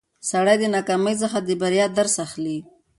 سړی د ناکامۍ څخه د بریا درس اخلي